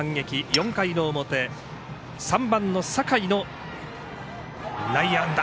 ４回の表、３番の酒井の内野安打。